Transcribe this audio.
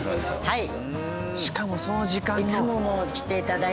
はい。